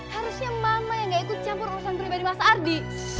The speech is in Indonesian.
harusnya mama yang gak ikut campur urusan pribadi mas ardi